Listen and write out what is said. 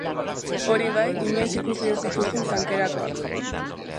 Hori bai, inoiz ikusi ez dituzun tankerakoak.